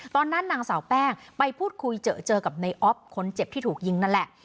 นางสาวแป้งไปพูดคุยเจอกับในออฟคนเจ็บที่ถูกยิงนั่นแหละ